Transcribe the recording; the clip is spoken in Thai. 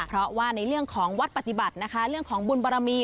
เพราะว่าในเรื่องของวัดปฏิบัตินะคะเรื่องของบุญบารมี